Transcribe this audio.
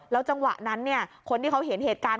จังหวะนั้นคนที่เขาเห็นเหตุการณ์